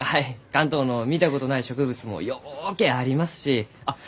関東の見たことない植物もようけありますしあっ